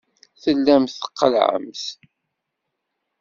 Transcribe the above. Tellamt tqellɛemt.